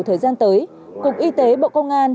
thời gian tới cục y tế bộ công an